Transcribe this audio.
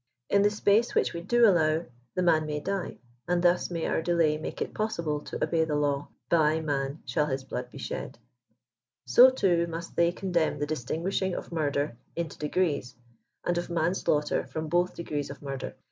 In the space which we do allow, the man may die, and thus may our delay make it impossible to obey the law, " by man shall his blood be shed/' 80, too, must they condemn the distinguishing of murder into de grees, and of manslaughter from both degrees of murder.